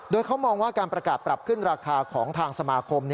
โดยเขามองว่าการประกาศปรับขึ้นราคาของทางสมาคม